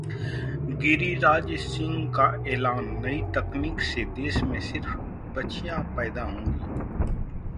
गिरिराज सिंह का ऐलान- नई तकनीक से देश में सिर्फ बछिया पैदा होंगी